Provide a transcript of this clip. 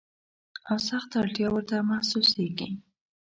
او سخته اړتیا ورته محسوسیږي.